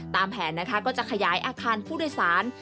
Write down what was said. ตามแผนนะคะก็จะขยายอาคารผู้โดยสาร